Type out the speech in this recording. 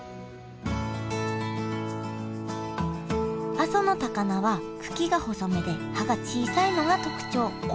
阿蘇の高菜は茎が細めで葉が小さいのが特徴。